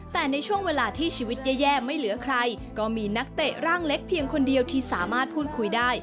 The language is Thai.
แต่ในช่วงเวลาที่ชีวิตแย่ไม่เหลือใครก็มีนักเตะร่างเล็กเพียงคนเดียวที่สามารถพูดคุยได้